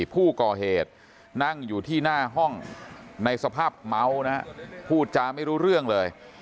ผู้ก่อเหตุนั่งอยู่ที่หน้าห้องในสภาพเมานะฮะพูดจาไม่รู้เรื่องเลย